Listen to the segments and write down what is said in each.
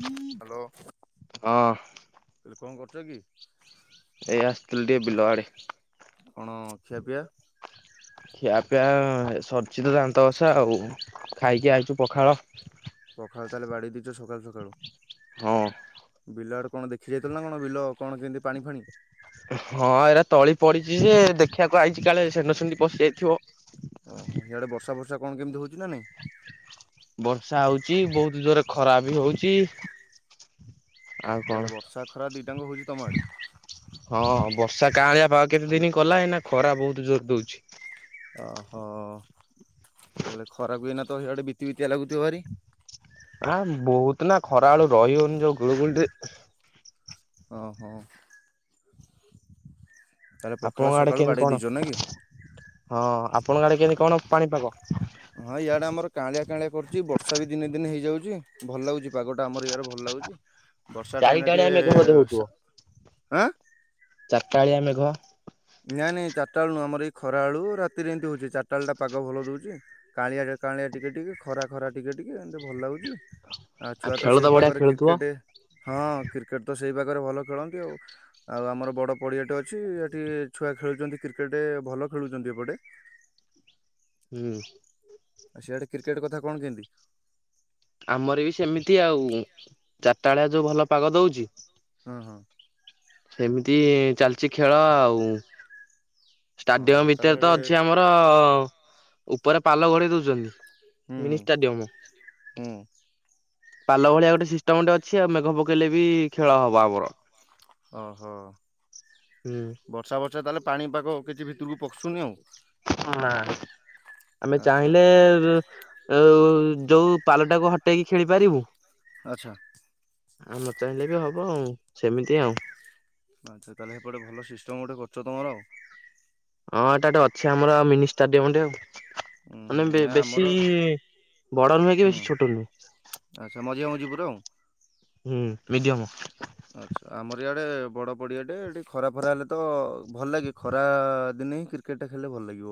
Hello. ହଁ। କହିଲି କଣ କରୁଛ କି? ବିିଲଆଡେ କଣ ଖିଆପିଆ? ଖିଆ ପିଆ ସରିଛି ଦାନ୍ତ ଘସା ଆଉ ଖାଇକି ଆଇଛୁ ପଖାଳ। ପଖାଳ ତାହେଲେ ବାଡେଇଦେଇଛ ସକାଳୁ ସକାଳୁ। ହଁ। ବିଲ ଆଡେ କଣ ଦେଖି ଯାଇଥିଲ ନା କଣ ବିଲ କଣ କେମିତି ପାଣି ଫାଣି? ହଁ ଏରା ତଳି ପଡିଛି ଯେ ଦେଖିବାକୁ ଆସିଛି କାଳେ ଷେଣ୍ଢ ସେଣ୍ଡି ପଶିଯାଇଥିବ। ଓହୋ ସିଆଡେ ବର୍ଷା ବର୍ଷା କଣ କେମିତି କଣ ହଉଛି ନା ନାଇଁ? ବର୍ଷା ହଉଚି ବହୁତ ଜୋରେ ଖରା ବି ହଉଛି। ଆଉ କଣ? ତାହେଲେ ବର୍ଷା ଖରା ଦିତାଙ୍କ ହଉଛି ତମ ଆଡ଼େ? କାଁଲିଆ ପାଗ କେତେ ଦିନ କଲା ଏଇନା ଖରା ବହୁତ ଜୋର ଦଉଛି। ଓ ହୋ। ହେଲେ ଖରାପକୁ ଇଏନା ତ ହେଇଆଡେ ଭାରି ବିତି ବିତିଆ ଲାଗୁଥିବ ଭାରି। ଆ ବହୁତ ନା ଖରା ବେଳୁ ରହିିହଉନି ଯୋଉ ଗୁଳୁ ଗୁଳି ରେ। ଓହୋ ତାହେଲେ ପଖାଳ ଆପଣଙ୍କ ଆଡେ ସକାଳୁ କେମିତି ବାଡେଇ କଣ ଦେଇଛ ନା କି? ହଁ ଆପଣଙ୍କ ଆଡେ କେମିତି କଣ ପାଣିପାଗ? ହଁ ୟାଡେ ଆମର କାଁଲିଆ କାଁଆଲିଆ କରୁଛି ବର୍ଷା ବି ଦିନେ ଦିନେ ହେଇଯାଉଛି ଭଲ ଲାଗୁ ପାଗଟା ଆମର ଇଆଡ଼େ ଭଲ ଲାଗୁଛି। [inaudible] ଏଇନା ଚାରିଟା ବେଳ ଟିକେ ହେଲେମେଘ ପବନ ସା ଦଉଥିବ ଆଁ ଚାରିଟା ବେଳିଆ ମେଘ। ନାଇଁ ନାଇଁ ଚାଟାବେଳେ ନୁହଁ ଆମର ଏଇ ଖରା ବେଳକୁ ଆଉ ରାତିରେ ଏମିତି ହଉଛି ଚାଟାବେଳଟା ପାଗ ଭଲ ରହୁଛି କାଁଳିଆ କାଁଳିଆ ଟିକେ ଟିକେ ଖରା ଖରା ଟିକେ ଟିକେ ଏମିତି ଭଲ ଲାଗୁଛି। ଆଉ ଛୁଆ ତ ଖେଳ ସେଇ ବଢିଆ ପାଖରେ ଖେଳୁଥିବ କ୍ରିକେଟ ହଁ କ୍ରିକେଟ ତ ସେଇ ପାଖରେ ଭଲ ଖେଳନ୍ତି ଆଉ। ଆଉ ଆମର ବଡ଼ ପଡ଼ିଆଟେ ଅଛି ଏଠି ଛୁଆ ଖେଳୁଛନ୍ତି କ୍ରିକେଟ୍ ଭଲ ଖେଳୁଛନ୍ତି ଏପଟେ। ହୁଁ। ଆଉ ସେଆଡେ କ୍ରିକେଟ କଥା କଣ କେମତି? ଆମର ବି ସେମିତି ଆଉ ଚାରିଟାଳିଆ ଯୋଉଁ ଭଲ ପାଗ ଦଉଛି। ହଁ ହଁ। ସେମିତି ଚାଲିଛି ଖେଳ ଆଉ ଓହୋ ଷ୍ଟାଡିୟମ ତାହେଲେ ଭିତରେ ତ ସେଆଡେ ଅଛି ଆମର ଉପରେ ପାଲ ଘୋଡେଇ ଦଉଛନ୍ତି। ମିନି ଷ୍ଟାଡିୟମ ହୁଁ ହୁଁ। ପାଲ ଭଳିଆ ଗୋଟେ ସିଷ୍ଟମ ଗୋଟେ ଅଛି! ଆଉ ମେଘ ପକେଇଲେ ବି ଖେଳ ହବ ଆମର। ଓହୋ ହୁଁ। ବର୍ଷା ବର୍ଷା ତାହେଲେ ପାଣିପାଗ କିଛି ଭିତରକୁ ପସୁନି ଆଉ। ନାଁ [unintelligible] ଆମେ ଆଚ୍ଛା ଚାହିଁଲେ ଯୋଉ ପାଲଟାକୁ ହଟେଇକି ଖେଳି ପାରିବୁ ଆଚ୍ଛା। ଆଉ ନ ଚାହିଁଲେ ବି ହବ ଆଉ। ସେମିତି ଆଉ। ଆଚ୍ଛା ତାହେଲେ ହେପଟେ ଭଲ ସିଷ୍ଟମ ଗୋଟେ କରୁଛ ତମର ଆଉ। ହଁ ଏଟାଟେ ଅଛି ଆମର ମିନି ଷ୍ଟାଡିୟମ ଟେ ଆଉ। ଉଁ ହୁଁ ମାନେ ନା ଆମର ବେଶୀ ବଡ ନୁହେଁ କି ହୁଁ ବେଶୀ ଛୋଟ ଆଚ୍ଛା ନୁହେଁ। [unintelligible] ହୁଁ ମିଡିୟମ ଆଛା ଆମର ଇଆଡେ ବଡ ପଡିଆ ଟେ ଏଠି ଖରା ଫରା ହେଲେ ତ ଭଲ ଲାଗେ ଖରା ଦିନ ନେ ହିଁ କ୍ରିକେଟ ଖେଳିଲେ ଭଲ ଲାଗିବ।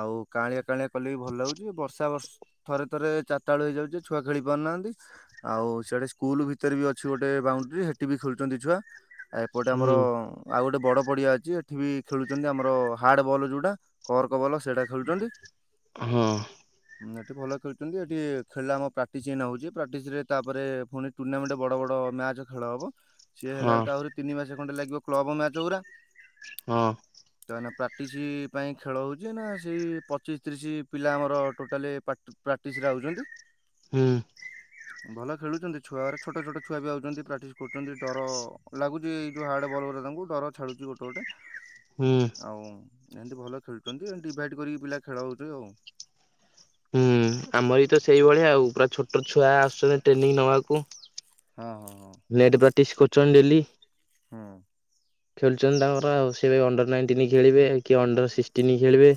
ଆଉ କାଅଁଳିଆ କାଅଁଳିଆ କଲେ ବି ଭଲ ହାଗୁଛି! ବର୍ଷା ବର୍ଷ ଥରେ ଥରେ ଚାରଟାଳୁ ହେଇଯାଉଛି ଛୁଆ ଖେଳି ପାରୁନା ହାଁନ୍ତି! ଆଉ ସିଆଡେ ସ୍କୁଲ ଭିତରେ ବି ଅଛି ଗୋଟେ ବାଉଣ୍ଡରୀ ହେ ଟିବି ଖେଳୁଛନ୍ତି ଛୁଆ ଆଉ ଏପଟେ ଆମର ହୁଁ ଆଉ ଗୋଟେ ବଡ଼ ପଡିଆ ଅଛି ଏଠି ବି ଖେଳୁଛନ୍ତି। ଆମର ହାର୍ଡ଼ ବଲ୍ ଯୋଉଟା କର୍କ ବଲ ସେଇଟା ଖେଳୁଛନ୍ତି। ହଁ। ହୁଁ, ଏଠି ଭଲ ଖେଳୁଛନ୍ତି। ଏଠି ଖେଳିଲ ଆମ ପ୍ରାକ୍ଟିସ୍ ଏଇନା ହେଉଛି ପ୍ରାକ୍ଟିସରେ ତାପରେ ପୁଣି ଟୁର୍ଣ୍ଣାମେଣ୍ଟରେ ବଡ଼ ବଡ଼ ମ୍ୟାଚ ଚ ଖେଳ ହବ। ସିଏ ହେଲା ବେଳୁ ହଁ ତ ଆହୁରି ତିନି ମାସ ଖଣ୍ଡେ ଲାଗିବ କ୍ଲବ ମ୍ୟାଚ ଉରା। ହଁ। ତ ଏଇନା ପ୍ରାକ୍ଟିସ୍ ପାଇଁ ଖେଳ ହେଉଛି। ନା ସେଇ ପଚିଶ ତିରିଶ ପିଲା ଆମର ଟୋଟାଲି ପା ପ୍ରାକ୍ଟିସ ରେ ଆଉଛନ୍ତି। ହୁଁ। ଭଲ ଖେଳୁଛନ୍ତି! ଛୁଆ ଉରା ଛୋଟ ଛୋଟ ଛୁଆ ବି ଆଉଛନ୍ତି ପ୍ରାକ୍ଟିସ କରୁଛନ୍ତି! ଡର ଲାଗୁଛି ଏଇ ଯେଉଁ ହାର୍ଡ଼ ବଲୟୁରା ତାଙ୍କୁ ଡର ଛାଡ଼ୁଛି ଗୋଟେ ଗୋଟେ। ହୁଁ ଆଉ। ଏମିତି ଭଲ ଖେଳୁଛନ୍ତି। ଏ ଡିଭାଇଡ କରିକି ପିଲା ଖେଳ ହଉଛି ଆଉ। ହୁଁ ଆମରି ବି ତ ସେଇଭଳିଆ ଆଉ ପୁରା ଛୋଟ ଛୁଆ ଆସୁଛନ୍ତି ଟ୍ରେନିଂ ନବାକୁ। ହଁ ହଁ ନେଟ ପ୍ରାକ୍ଟିସ୍ କରୁଛନ୍ତି ଡେଲି। ହଁ। ଖେଳୁଛନ୍ତି ତାଙ୍କର ଆଉ ସେ ଅଣ୍ଡର ନାଇଣ୍ଟିନିଁ ଖେଳିବେ କି ଅଣ୍ଡର ସିକ୍ସଟିନ୍ଁ ଖେଳିବେ।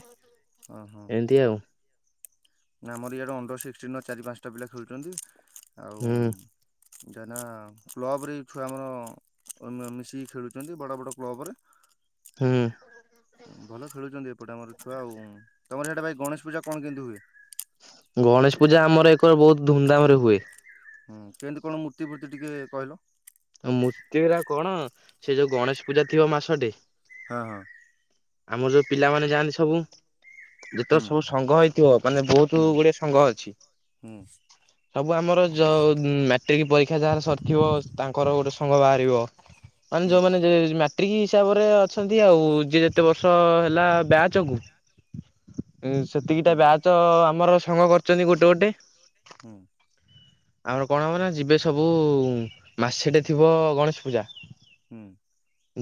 ଓ ହୋ। ଏମିତି ଆଉ ଆମର ଇଆଡ଼େ ଅଣ୍ଡର ସିକ୍ସଟିନର ଚାରି ପାଞ୍ଚଟା ପିଲା ଖେଳୁଛନ୍ତି। ହୁଁ ଆଉ ଯାନା କ୍ଲବ ରେ ବି ଛୁଆ ଆମର ଅ ଅ ମିଶିକି ଖେଳୁଛନ୍ତି ବଡ଼ ବଡ଼ କ୍ଲବରେ। ହୁଁ। ଭଲ ଖେଳୁଛନ୍ତି ଏପଟେ ଆମର ଛୁଆ। ଆଉ ତମର ହିଆଡେ ଭାଇ ଗଣେଶ ପୂଜା କଣ କେମିତି ହୁଏ। ଗଣେଶ ପୂଜା ଆମର ଏକର ବହୁତ ଧୁମଧାମ ରେ ହୁଏ। ହୁଁ କେମିତି କଣ ମୂର୍ତ୍ତି ଫୂର୍ତ୍ତି ଟିକେ କହିଲ। ମୂର୍ତ୍ତି ଉରା କଣ ସେ ଯୋଉ ଗଣେଶ ପୂଜା ଥିବ ମାସଟେ। ହଁ ହଁ ଆମର ଯୋଉ ପିଲାମାନୋନେ ଯାଆନ୍ତି ସବୁ ଯେତେବେଳେ ସବୁ ସଂଘ ହେଇଥିବ ମାନେ ବହୁତ ହୁଁ ଗୁଡେ ସଂଘ ଅଛି ହୁଁ ସବୁ ଆମର ଯ ମାଟ୍ରିକ ପରୀକ୍ଷା ଯାହାର ସରିଥିବ ତାଙ୍କର ଗୋଟେ ସଂଙ୍ଗ ବାହାରିବ ମାନେ ଯୋଉମାନେ ହିସାବରେ ଅଛନ୍ତି ଆଉ ଯି ଯେତେ ବର୍ଷ ହେଲା ବ୍ୟାଚକୁ ହୁଁ ସେତିକିଟା ବ୍ୟାଚ ଆମର ସଂଙ୍ଗ କରିଛନ୍ତି ଗୋଟେ ଗୋଟେ ହୁଁ ଆମର କଣ ହବ ନା ଯିବେ ସବୁ ମାସେଟେ ଥିବ ଗଣେଶ ପୂଜା ହୁଁ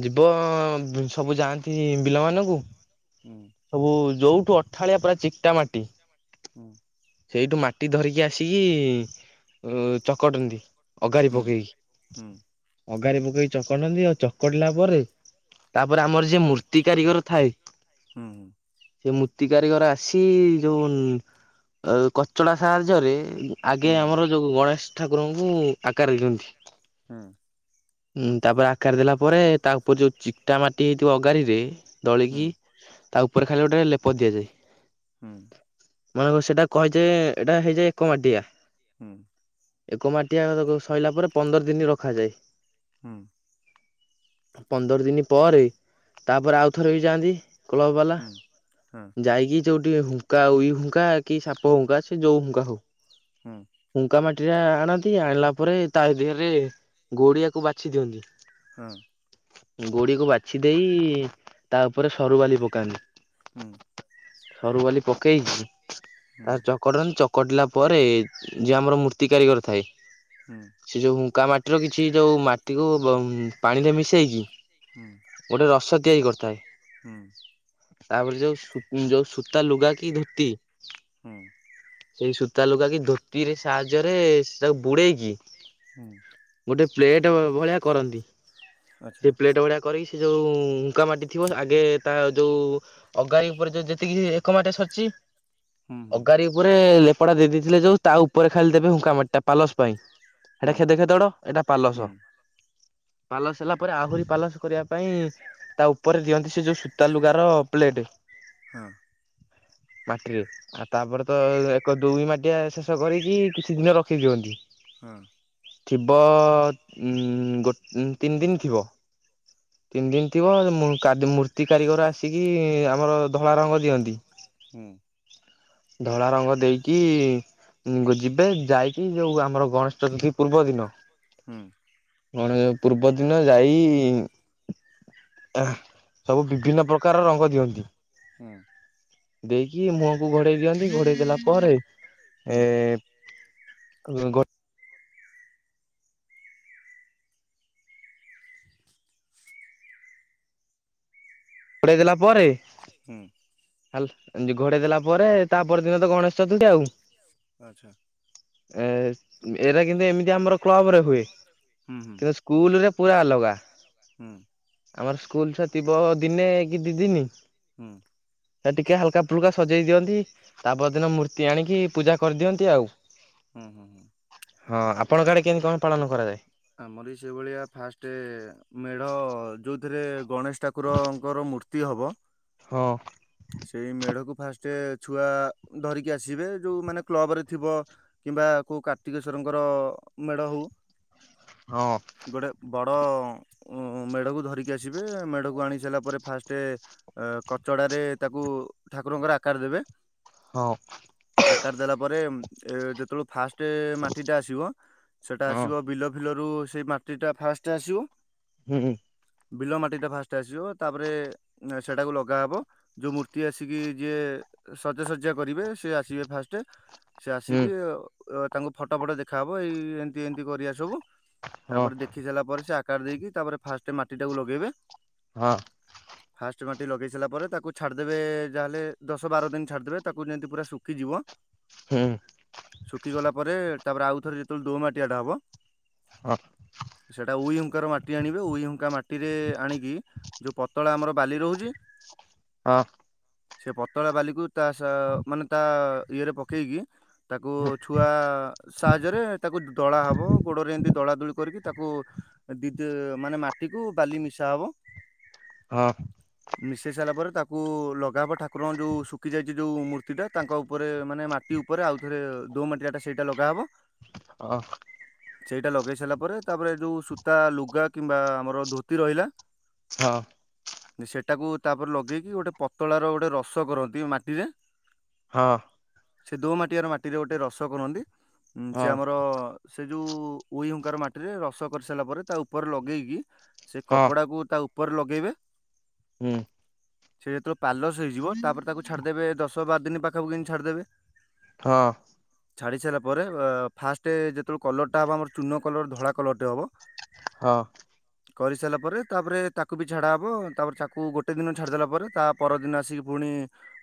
ଯିବ ସବୁ ଯାଆନ୍ତି ବିଲ ମାନଙ୍କୁ ହୁଁ ହୁଁ ସବୁ ଯୋଉଠୁ ଅଠାଳିଆ ପୁରା ଚିକଟା ମାଟି ହୁଁ ଏଇଠୁ ମାଟି ଧରିକି ଆସିକି ଚକଟନ୍ତି ଅଗାରି ହୁଁ ହୁଁ ହୁଁ ହୁଁ ପକେଇକି ହୁଁ ଅଗାରେ ପକେଇକି ଚକଟନ୍ତି ଆଉ ଚକଡିଲା ପରେ ତାପରେ ଆମର ଯିଏ ମୂର୍ତ୍ତି କାରିଗର ଥାଏ ହୁଁ ହୁ ସେ ମୂର୍ତ୍ତି କାରିଗର ଆସି ଯୋଉ କଚଳାା ସାହାଯ୍ୟରେ ଆଗେ ଆମର ଯୋଉ ଗଣେଶ ଠାକୁରଙ୍କୁ ଆକାର ଦିଅନ୍ତି ହଁ ତାପରେ ଆକାର ଦେଲା ପରେ ତା ଉପରେ ଯୋଉ ଚିକଟା ମାଟି ହେଇଥିବ ଅଗାଡିରେ ଦଳିକି ତା ଉପରେ ଖାଲି ଗୋଟେ ଲେପ ଦିଆଯାଏ ହୁଁ ମାନେ ସେଇଟା କହିଛେ ଏଇଟା ହେଇଯାଏ ଏକ ମାଡିଆ ହୁଁ ଏକ ମାଟିଆ ସରଲାା ପରେ ପନ୍ଦର ଦିନ ରଖାଯାଏ ହୁଁ ପନ୍ଦର ଦିନ ପରେ ତାପରେ ଆଉଥରେ ବି ଯାଆନ୍ତି କ୍ଲ ବାଲା ହୁଁ ହଁ ଯାଇକି ଯଉଠି ହୁଙ୍କା ଇ ହୁଙ୍କା କି ସାପ ହୁଙ୍କା ସେ ଯୋଉ ହୁଙ୍କା ହଉ ହୁଁ ହୁଙ୍କା ମାଟି ା ଆଣନ୍ତି ଆଣିଲା ପରେ ତା ଦେହରେ ଗୋଡିଆକୁ ବାଛି ଦିଅନ୍ତି ହଁ, ଗୋଡିକୁ ବାଛି ଦେଇ ତା ଉପରେ ସରୁ ବାଲି ପକାନ୍ତି। ହୁଁ, ସରୁ ବାଲି ପକେଇଛି ହୁଁ। ତାର ଚକଟନ୍ତି ଚକ କଟିଲା ପରେ ଯଏ ଆମର ମୂର୍ତ୍ତି କାରିଗର ଥାଏ ହୁଁ ସେ ଯୋଉ ଉକା ମାଟିର କିଛି ଯୋଉ ମାଟିକୁ ପାଣିରେ ମିଶେଇକି ହୁଁ ଗୋଟେ ରସ ତିଆରି କରିଥାଏ। ହୁଁ, ତାପରେ ଯୋଉ ଯୋଉ ସୂତା ଲୁଗା କି ଧୋତି ହୁଁ, ସେଇ ସୂତା ଲୁଗା କି ଧୋତିରେ ସାହାଯ୍ୟରେ ସେଟାକୁ ବୁଡେଇକି ହୁଁ, ଗୋଟେ ପ୍ଲେଟ ଭଳିଆ କରନ୍ତି ଆଚ୍ଛା ସେ ପ୍ଲେଟ ଭଳିଆ କରିକି ସେ ଯୋଉ ହୁଙ୍କା ମାଟି ଥିବ ଆଗେ ତା ଯୋଉ ଅଗାରି ଉପରେ ଯୋଉ ଯେତିକି ଏକ ମାଟିଆ ସରିଛି। ହୁଁ ହୁଁ ଅଗାର ଉପରେ ଲେପଡା ଦେଇ ଦେଇେଇଥିଲେ ଯୋଉ ତା ଉପରେ ଖାଲି ଦେବେ ହୁଙ୍କା ମାଟିଟା ପାଲସ ପାଇଁ। ହୁଁ। କ୍ଷେତ ଖେଦଡ଼ ଏଇଟା ପାଲସ। ହୁଁ ପାଲସ ହେଲା ପରେ ଆହୁରି ପାଲସ କରିବା ପାଇଁ ତା ଉପରେ ଦିଅନ୍ତି ସେ ଯୋଉ ସୂତା ଲୁଗା ର ପ୍ଲେଟ। ହଁ, ମାଟିରେ ଆଉ ତାପରେ ତ ଏକ ଦୁଇ ମାଟିଆ ଶେଷ କରକି କିଛି ଦିନ ରଖି ଦିଅନ୍ତି। ହଁ, ଥିବ ଉ ଗୋ ତିନି ଦିନ ଥିବ। ତିନି ଦିନ ଥିବ ମୁ କାଦ୍ ମୂର୍ତ୍ତି କାରିଗର ଆସିକି ଆମର ଧଳା ରଙ୍ଗ ଦିଅନ୍ତି। ହୁଁ, ଧଳା ରଙ୍ଗ ଦେଇକି ଯିବେ ଯାଇକି ଯୋଉ ଆମର ଗଣେଶ ଚତୁର୍ଥୀ ପୂର୍ବ ଦିନ ହୁଁ, କଣ ପୂର୍ବ ଦିନ ଯାଇ ସବୁ ବିଭିନ୍ନ ପ୍ରକାର ରଙ୍ଗ ଦିଅନ୍ତି। ହୁଁ [inaudible] ଦେଇକି ମୁହଁକୁ ଘୋଡେଇ ଦିଅନ୍ତି ଘୋଡେଇ ଦେଲା ପରେ ହୁଁ ଏ ଗୋ ଘୋଡେଇ ଦେଲା ପରେ ହୁଁ, ହାଲ୍ ଘଡେଇ ଦେଲା ପରେ ତାପର ଦିନ ତ ଗଣେଶ ଚତୁର୍ଥୀ ଆଉ ଆଚ୍ଛା [inaudible] ଏ ଏଇରା କିନ୍ତୁ ଏମିତି ଆମର କ୍ଲବ ରେ ହୁଏ ହୁଁ ହୁଁ କି ସ୍କୁଲ ରେ ପୁରା ଅଲଗା ହୁଁ [inaudible] ଆମର ସ୍କୁଲ ଛୁଆ ଥିବ ଦିନେ କି ଦି ଦିନି ହୁଁ ସେ ଟିକେ ହାଲକା ଫୁଲକା ସଜେଇ ଦିଅନ୍ତି ତା ପରଦିନ ମୂର୍ତ୍ତି ଆଣିକି ପୂଜା କରିଦିଅନ୍ତି ଆଉ। ହୁଁ ହୁଁ ହଁ ଆପଣଙ୍କ ଆଡେ କେମିତି କଣ ପାଳନ କରାଯାଏ। ଆମର ସେଇଭଳିଆ ଫାଷ୍ଟ ମେଢ ଯୋଉଥିରେ ଗଣେଶ ଠାକୁରଙ୍କର ମୂର୍ତ୍ତି ହବ। ହଁ, ସେଇ ମେଢକୁ ଫାଷ୍ଟ ଛୁଆ ଧରିକି ଆସିବେ ଯୋଉ ମାନେ କ୍ଲବ ରେ ଥିବ କି ବା କୋଉ କାର୍ତ୍ତିକେଶ୍ଵରଙ୍କର ମେଢ ହଉ ହଁ ଗୋଟେ ବ ଅ ମେଢକୁ ଧରିକି ଆସିବେ ମେଢକୁ ଆଣି ସାରିଲା ପରେ ଫାଷ୍ଟ କଚଡ଼ାରେ ତାକୁ ଠାକୁରଙ୍କର ଆକାର ଦେବେ ହଁ। ଆକାର ଦେଲା ପରେ ଯେତେବେଳ ଫାଷ୍ଟ ଟେ ମାଟି ଟା ଆସିବ ସେଟା ହଁ ଆସିବ ବିଲ ଫିଲ ରୁ ସେ ମାଟି ଟା ଫାଷ୍ଟ ଆସିବ। ହୁଁ। ବିଲ ମାଟି ଟା ଫାଷ୍ଟ ଆସିବ ତାପରେ ସେଟାକୁ ଲଗାହବ। ଯୋଉ ମୂର୍ତ୍ତି ଆସିକି ଯିଏ ସଜାସଜ୍ୟା କରିବେ ସିଏ ଆସିବେ ଫାଷ୍ଟ ସେ ହୁଁ ଆସିକି ତାଙ୍କୁ ଫଟୋ ଫଟ ଦେଖାହେବ ଏଇ ଏମିତି ଏମିତି କରିବା ସବୁ ହଁ। ତାପରେ ଦେଖି ସାରିଲା ପରେ ସେ ଆକାର ଦେଇକି ତାପରେ ଫାଷ୍ଟ ମାଟି ଟାକୁ ଲଗେଇବେ। ହଁ। ଫାଷ୍ଟ ମାଟି ଲଗେଇ ସାରିଲା ପରେ ତାକୁ ଛାଡିଦେବେ ଯାହାେଲେ ଦଶ ବାର ଦିନ ଛାଡିଦେବେ ତାକୁ ଯେମତି ପୁରା ଶୁଖିଯିବ। ଶୁଖିଗଲା ପରେ ତାପରେ ଆଉଥରେ ଯେତେବେଳେ ଦୋ ମାଟିଆ ଟା ହବ। ସେଟା ଉଇ ଉ ତାର ମାଟି ଆଣିବେ ଉଇ ହଙ୍କା ମାଟିରେ ଆଣିକି ଯୋଉ ପତଳା ଆମର ବାଲି ରହୁଛି। ହଁ। ସେ ପତଳା ବାଲିକୁ ତା ସା ମାନେ ତା ଇଏରେ ପକେଇକି ତାକୁ ଛୁଆ ସାହାଯ୍ୟରେ ତାକୁ ଦଳା ହବ ଗୋଡରେ ଏମିତି ଦଳା ଦଳି କରିକି ତାକୁ ଦିଦ୍ ମାନେ ମାଟିକୁ ବାଲି ମିଶା ହବ। ହଁ। ମିଶାଇ ସଇଲା ପରେ ତାକୁ ଲଗାହବ ଠାକୁରଙ୍କ ଯେଉଁ ଶୁଖି ଯାଇଛି ଯେଉଁ ମୂର୍ତ୍ତିଟା ତାଙ୍କ ଉପରେ ମାନେ ମାଟି ଉପରେ ଆଉଥରେ ଦୋ ମାଟିଆ ଟା ସେଇଟା ଲଗାହବ। ଓ। ସେଇଟା ଲଗେଇ ସାରିଲା ପରେ ତାପରେ ଯୋଉ ସୂତା ଲୁଗା କିମ୍ବା ଆମର ଧୋତି ରହିଲା। ହଁ। ସେଇଟାକୁ ତାପରେ ଲଗେଇକି ଗୋଟେ ପତଳାର ଗୋଟେ ରସ କରନ୍ତି ମାଟିରେ ହଁ। ସେ ଦୋ ମାଟି ଆର ମାଟିରେ ଗୋଟେ ରସ କରନ୍ତି ସେି ଆମର ସେ ଯୋଉ ଉଇ ହଙ୍କାର ମାଟିରେ ରସ କରିସାରିଲା ପରେ ତା ଉପରେ ଲଗେଇକି ସେ କପଡାକୁ ତା ଉପରେ ଲଗାଇବେ ହୁଁ। ସେ ଯେତେବେଳେ ପାଲସ ହେଇଯିବ ତାପରେ ତାକୁ ଛାଡିଦେବେ ଦଶ ବାର ଦିନ ପାଖାପଖ କେି ଛାଡିଦେବେ। ହଁ। ଛାଡି ସାରିଲା ପରେ ଫାଷ୍ଟ ଯେତେବେଳେ କଲରଟା ହବ ଆମର ଚୂନ କଲର ଧଳା କଲରଟେ ହବ। ହଁ। କରିସାରିଲା ପରେ ତାପରେ ତାକୁ ବି ଛାଡ଼ା ହବ ତାପରେ ତାକୁ ଗୋଟେ ଦିନ ଛାଡ଼ିଦ ଦେଲା ପରେ ତା ପରଦିନ ଆସି ପୁଣି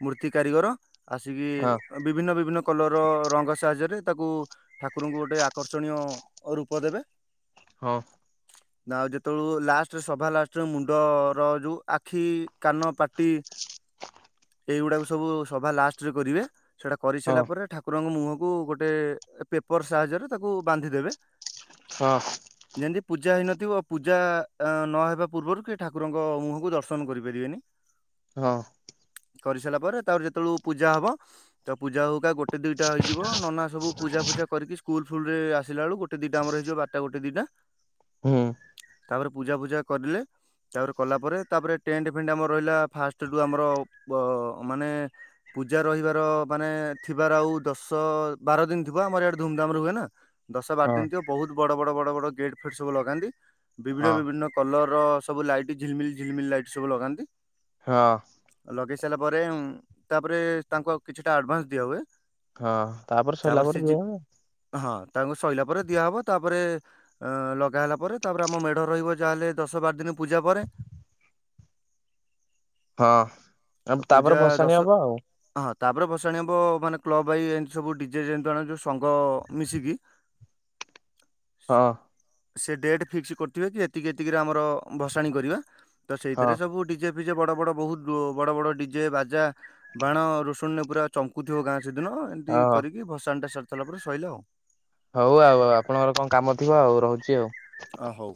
ମୂର୍ତ୍ତି କାରିଗର ଆସି ବିଭିନ୍ନ ବିଭିନ୍ନ ବି କଲର ର ରଙ୍ଗ ସାହାଯ୍ୟରେ ତାକୁ ଠାକୁରଙ୍କୁ ଗୋଟେ ଆକର୍ଷଣୀୟ ରୂପ ଦେବେ। ହଁ। ନା ଆଉ ଯେତେବେଳୁ ଲାଷ୍ଟରେ ସଭା ଲାଷ୍ଟରେ ମୁଣ୍ଡର ଯୋଉ ଆଖି କାନ ପାଟି [unintelligible] ଏଇଗୁଡାକ ସବୁ ସଭା ଲାଷ୍ଟ ରେ କରିବେ ସେଇଟା କରିସାରିଲା ପରେ ଠାକୁରଙ୍କ ମୁହଁ ତାକୁ ଗୋଟେ ପେପର ସାହାଯ୍ୟରେ ତାକୁ ବାନ୍ଧି ଦେବେ। ହଛଁ। ପୂଜା ହେଇନଥିବ ଓ ପୂଜା ନ ହେବା ପୂର୍ବରୁ କିଏ ଠାକୁରଙ୍କ ମୁହଁକୁ ଦର୍ଶନ କରିପାରିବେନି ହଁ। କରିସାରିଲା ପରେ ତାର ଯେତେବେଳୁ ପୂଜା ହବ ତ ପୂଜା ହଉକା ଗୋଟେ ଗୋଟ ଦୁଇଟା ହେଇିବ ନନା ସବୁ ପୂଜା ଫୂଜା କରିକି ସ୍କୁଲ ଫୁଲ ରେ ଆସିଲା ବେଳକୁ ଗୋଟେ ଗ ଦିଟାମରଇଯାରା ଗୋଟିଏ ଦିଟା ହୁଁ। ତାପରେ ପୂଜା ଫୂଜା କରିଲେ ତାପରେ କଲା ପରେ ତାପରେ ଟେଣ୍ଟ ଫେଣ୍ଟ ଆମର ରହିଲା ଫାଷ୍ଟ ଯୋଉ ଆମର ଯୋଉ ମାନେ ପୂଜା ରହିବାର ଥିବାର ଆଉ ଦଶ ବାର ଦିନ ଥିବ ଆମର ଏଆଡେ ଧୁମଧାମ ରେ ହୁଏ ନା ଦଶ ବାର ହଁ ଦିନ ଥିବ ବହୁତ ବଡ ବଡ ବଡ ବଡ ଗେଟ ଫେଟ୍ ସବୁ ଲଗାନ୍ତି ବିଭିନ୍ନ ହଁ ବିଭିନ୍ନ କଲର ସବୁ ଲାଇଟ ଝିଲମ ଝିଲମିଲ ଲାଇଟ୍ ସବୁ ଲଗାନ୍ତି। ହଁ। ଲଗେଇ ସାରିଲା ପରେ ତାପରେ ତାଙ୍କ କିଛିଟା ଆଡଭାନ୍ସ ଦିଆ ହୁଏ। ହଁ ତାପରେ ସରିଲା ପରେ ଯାହା। ହଁ ତାଙ୍କୁ ସରିଲା ପରେ ଦିଆହବ ତାପରେ ଲଗା ହେଲା ପରେ ତାପରେ ଆମ ମେଢ ରହିବ ଯାହାହେଲେ ଦଶ ଦଶବାର ଦିନ ପୂଜା ପରେ ହଁ ଆ ପୂଜା ତାପରେ ଦଶ ଭସାଣି ହବ ଆଉ। ହଁ ତାପରେ ବସାଣି ହବ ମାନେ କ୍ଲବାଇ ଏମିତି ସବୁ ଡିଜେ ଯେଣେ ଯ ସଂଘ ମିଶିକି [unintelligible] ହଁ ସେ ଡେଟ୍ ଫିକ୍ସ କରିଥିବେ କି ଏତିକି ଏତିକିରେ ଆମର ଭସାଣି କରିବା ତ ହଁ ସେଇଥିରେ ସବୁ ି ବଡ ବଡ ବହୁତ ବଡ ବଡ ଡିଜେ ବାଜା ବାଣ ରୋଷଣରେ ପୁରା ଚମୁଥିବ ଗାଁ ସେଦିନ ଏମିତି ହଁ କରିକି ଭସାଣଟା ସାରି ସାରିଲା ପରେ ସଇଲା ଆଉ। ହଉ ଆଉ ଆପଣଙ୍କର କଣ କାମ ଥିବ ଆଉ ରହୁଛି ଆଉ। ଅ ହଉ।